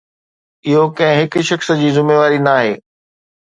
اهو ڪنهن هڪ شخص جي ذميواري ناهي.